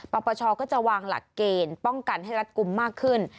ปปชก็จะวางหลักเกณฑ์ป้องกันให้รัดกลุ่มมากขึ้น